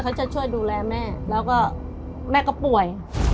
เขาจะช่วยดูแลแม่แล้วก็แม่ก็ป่วย